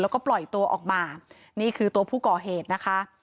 แล้วก็ปล่อยตัวออกมานี่คือตัวผู้ก่อเหตุนะคะ